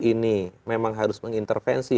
ini memang harus mengintervensi